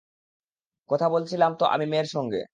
কথা বলছিলাম তো আমি মেয়ের সঙ্গে।